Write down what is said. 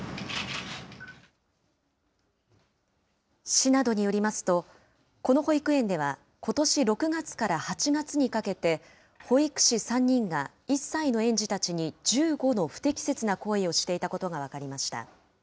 市などによりますと、この保育園では、ことし６月から８月にかけて、保育士３人が１歳の園児たちに１５の不適切な行為をしていたことが分かりました。